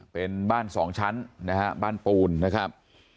เป็นบ้านสองชั้นนะฮะบ้านปูนนะครับ